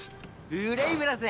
ブレイブだぜ！